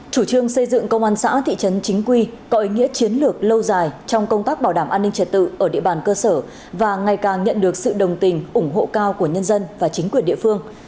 chủ trương xây dựng công an xã thị trấn chính quy có ý nghĩa chiến lược lâu dài trong công tác bảo đảm an ninh trật tự ở địa bàn cơ sở và ngày càng nhận được sự đồng tình ủng hộ cao của nhân dân và chính quyền địa phương